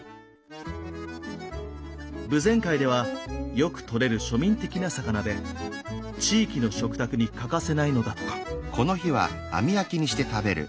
豊前海ではよくとれる庶民的な魚で地域の食卓に欠かせないのだとか。